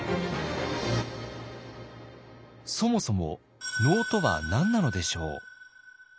そもそも能とは何なのでしょう？